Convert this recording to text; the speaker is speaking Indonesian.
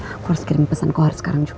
aku harus kirim pesan kohar sekarang juga